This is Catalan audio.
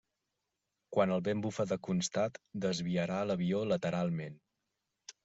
Quan el vent bufa de constat desviarà a l'avió lateralment.